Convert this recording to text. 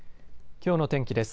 きょうの天気です。